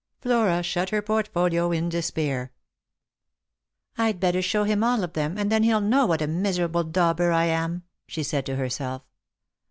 Flora shut her portfolio in despair. " I'd better show him all of them, and then he'll know what a miserable dauber I am," she said to herself.